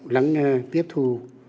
lắng nghe tiếp thụ